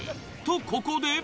とここで。